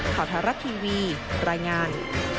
ขอถารักษ์ทีวีรายงาน